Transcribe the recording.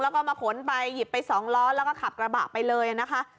แล้วก็มาขนไปหยิบไป๒ล้อแล้วก็ขับกระบะไปเลยนะคะ